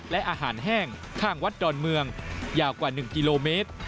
และอาหารแห้งข้างวัดดอนเมืองยาวกว่า๑กิโลเมตร